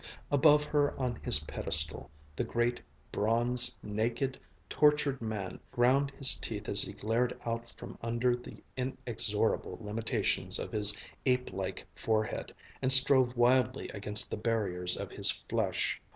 Above her on his pedestal, the great, bronze, naked, tortured man ground his teeth as he glared out from under the inexorable limitations of his ape like forehead, and strove wildly against the barriers of his flesh....